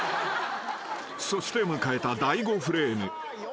［そして迎えた第５フレーム］